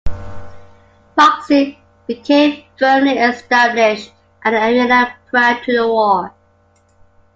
Boxing became firmly established at the Arena prior to the war.